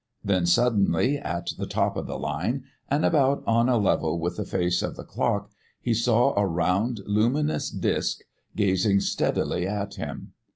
Then suddenly, at the top of the line, and about on a level with the face of the clock, he saw a round luminous disc gazing steadily at him.